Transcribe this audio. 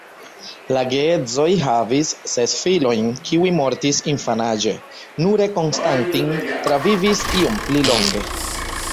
La geedzoj havis ses filojn, kiuj mortis infanaĝe nure "Konstantin" travivis iom pli longe.